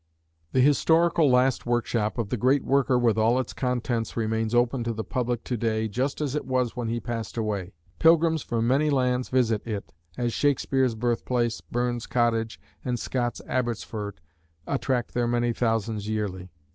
The historical last workshop of the great worker with all its contents remains open to the public to day just as it was when he passed away. Pilgrims from many lands visit it, as Shakespeare's birthplace, Burns' cottage, and Scott's Abbottsford attract their many thousands yearly.